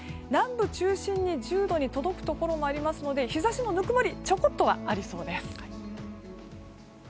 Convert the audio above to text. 南部中心に１０度に届くところもありますので日差しも、ぬくもりちょこっとはありそうです。